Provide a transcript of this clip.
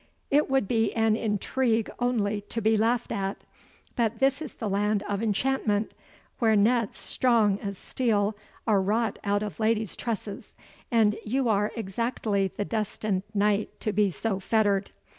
it would be an intrigue only to be laughed at. But this is the land of enchantment, where nets strong as steel are wrought out of ladies' tresses, and you are exactly the destined knight to be so fettered.